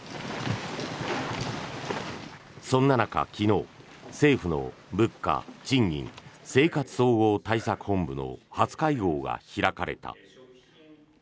そんな中、昨日、政府の物価・賃金・生活総合対策本部の初会合が開かれた。